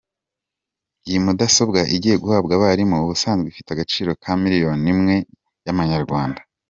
Iyi mudasobwa igiye guhabwa abarimu ubusanzwe ifite agaciro gakabakaba Miliyoni imwe y'amanyarwanda.